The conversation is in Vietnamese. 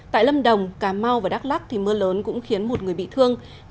tại lâm đồng cà mau và đắk lắc mưa lớn cũng khiến một người bị thương